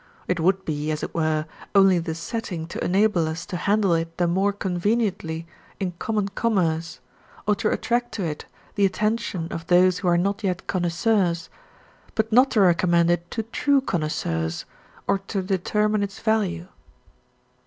It would be, as it were, only the setting to enable us to handle it the more conveniently in common commerce, or to attract to it the attention of those who are not yet connoisseurs, but not to recommend it to true connoisseurs, or to determine its value.